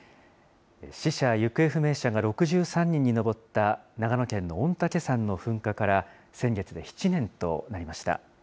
死者・行方不明者が６３人に上った、長野県の御嶽山の噴火から先月で７年となりました。